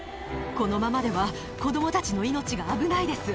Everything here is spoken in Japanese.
このままでは、子どもたちの命が危ないです。